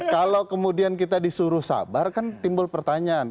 kalau kemudian kita disuruh sabar kan timbul pertanyaan